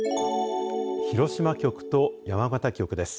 広島局と山形局です。